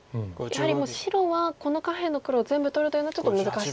やはりもう白はこの下辺の黒を全部取るというのはちょっと難しそうな。